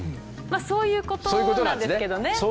まあそういう事なんですけどね。